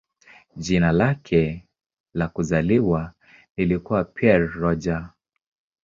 Jina lake la kuzaliwa lilikuwa "Pierre Roger".